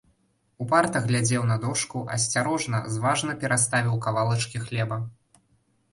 Упарта глядзеў на дошку, асцярожна, зважна пераставіў кавалачкі хлеба.